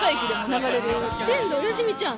天童よしみちゃう。